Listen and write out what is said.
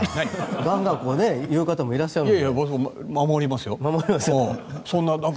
がんがん言う方もいらっしゃるので。